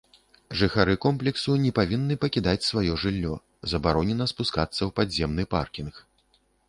Жыхары комплексу не павінны пакідаць сваё жыллё, забаронена спускацца ў падземны паркінг.